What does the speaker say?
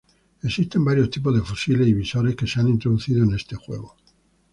Existen varios tipos de fusiles y visores que se han introducido en este juego.